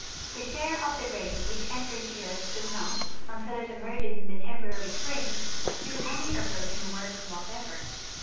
The share of the rain which enters the earth does not, until it emerges in the temporary springs, do any erosion work whatever.